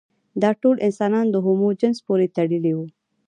دا ټول انسانان د هومو جنس پورې تړلي وو.